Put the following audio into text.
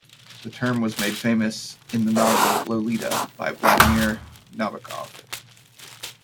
The term was made famous in the novel "Lolita" by Vladimir Nabokov.